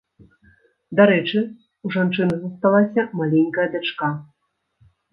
Дарэчы, у жанчыны засталася маленькая дачка.